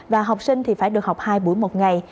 và học sinh thì phải được học hai buổi một ngày